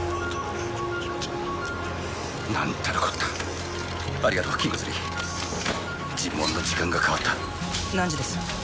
何たるこったありがとうキングズリー尋問の時間が変わった何時です？